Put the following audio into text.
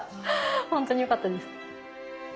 本当によかったです。